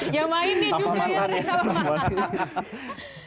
yang mainnya juga ya